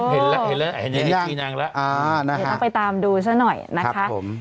เห็นละอ่ะเห็นยังนะฮะไปตามดูซะหน่อยนะครับ